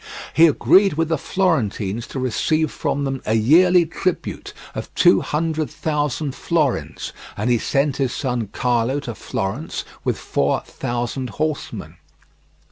He agreed with the Florentines to receive from them a yearly tribute of two hundred thousand florins, and he sent his son Carlo to Florence with four thousand horsemen.